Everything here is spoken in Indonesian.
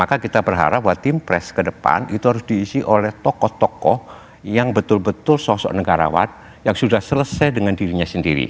maka kita berharap bahwa tim press ke depan itu harus diisi oleh tokoh tokoh yang betul betul sosok negarawan yang sudah selesai dengan dirinya sendiri